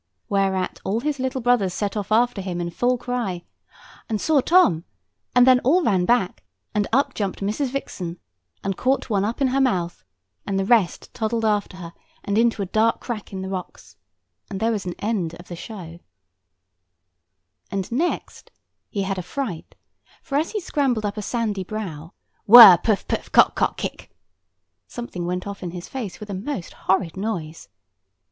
Whereat all his little brothers set off after him in full cry, and saw Tom; and then all ran back, and up jumped Mrs. Vixen, and caught one up in her mouth, and the rest toddled after her, and into a dark crack in the rocks; and there was an end of the show. [Picture: Fox with cubs] And next he had a fright; for, as he scrambled up a sandy brow—whirr poof poof cock cock kick—something went off in his face, with a most horrid noise.